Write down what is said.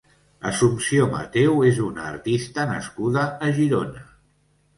Assumpció Mateu és una artista nascuda a Girona.